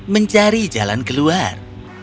mencari jalan keluar